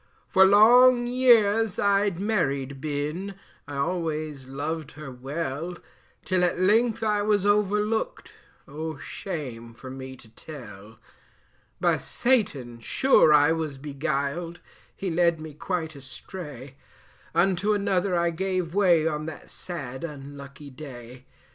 For four long years I'd married been, I always lov'd her well, Till at length I was overlooked, oh shame for me to tell; By Satan sure I was beguiled, he led me quite astray, Unto another I gave way on that sad unlucky day.